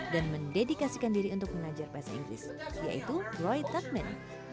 dan mendedikasikan diri untuk mengajar bahasa inggris yaitu roy tuckman